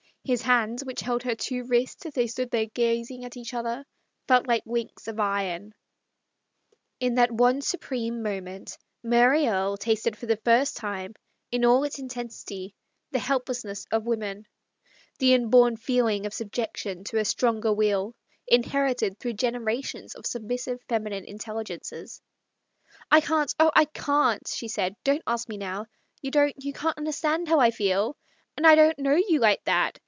His hands, which held her two wrists as they stood there gazing at each other, felt like links of iron. In that one supreme moment Mary Erie tasted for the first time, in all its intensity, the helplessness of woman, the inborn feeling of subjection to a stronger will, inherited through generations of submissive feminine intelligences. 80 ' THE STORY OF A MODERN WOMAN. " I can't, oh, I can't," she said. " Don't ask me now. You don't — you can't understand how I feel. And I don't know you like that.